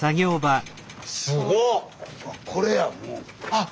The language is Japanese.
すごっ。